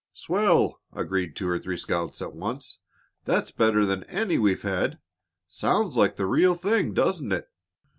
"Swell!" agreed two or three scouts at once. "That's better than any we've had. Sounds like the real thing, doesn't it?"